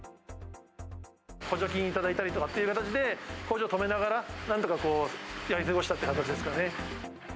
補助金頂いたりとかっていう形で工場止めながら、なんとかこう、やり過ごしたって形ですかね。